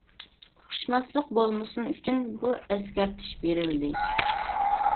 ئۇقۇشماسلىق بولمىسۇن ئۈچۈن بۇ ئەسكەرتىش بېرىلدى.